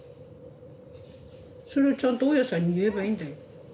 それをちゃんと大家さんに言えばいいんだよ。